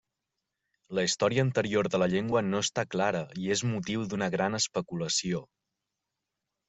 La història anterior de la llengua no està clara i és motiu d'una gran especulació.